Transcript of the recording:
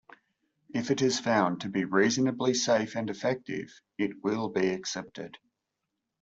If it is found to be reasonably safe and effective, it will be accepted.